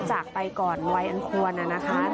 จากไปก่อนวัยอันควรนะคะ